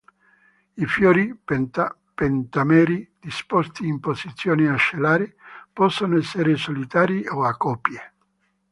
I fiori, pentameri, disposti in posizione ascellare, possono essere solitari o a coppie.